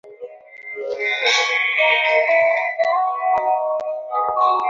বলিয়া ধ্রুবের অশ্রুসিক্ত দুইটি কপোল মুছাইয়া দিলেন।